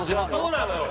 そうなのよ